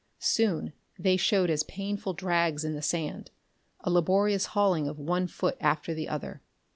Soon they showed as painful drags in the sand, a laborious hauling of one foot after the other....